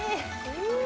うわ！